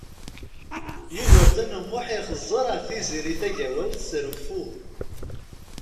Yugurten U Muḥ ixezzeṛ ar Tiziri Tagawawt s reffu.